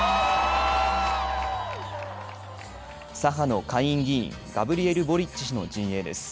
左派の下院議員、ガブリエル・ボリッチ氏の陣営です。